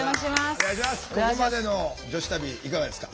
ここまでの女子旅いかがですか？